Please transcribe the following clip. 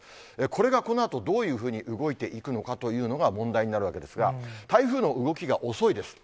これがこのあと、どういうふうに動いていくのかというのが問題になるわけですが、台風の動きが遅いです。